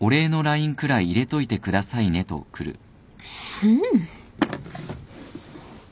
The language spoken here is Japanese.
うん！